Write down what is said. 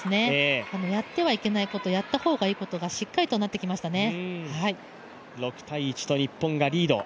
やってはいけないこと、やった方がいいことがしっかりとなってきましたね。